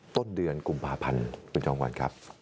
ต้นเดือนกุมภาพันธ์คุณจองขวัญครับ